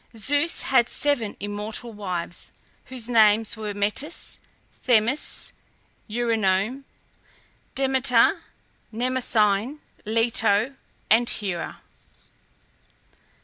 Zeus had seven immortal wives, whose names were Metis, Themis, Eurynome, Demeter, Mnemosyne, Leto, and Hera.